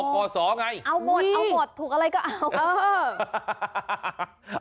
อ๋อก่อสอง่ายงี้เอาหมดเอาหมดถูกอะไรก็เอา